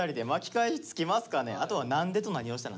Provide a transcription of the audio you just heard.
あとは「何で？」と「何をした？」